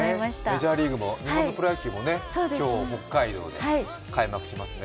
メジャーリーグも日本のプロ野球も今日北海道で開幕しますね。